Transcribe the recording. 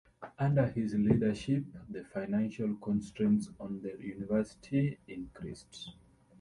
Under his leadership, the financial constraints on the university increased.